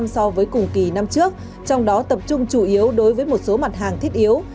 so với cùng kỳ năm trước trong đó tập trung chủ yếu đối với một số mặt hàng thiết yếu